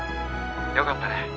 よかったね。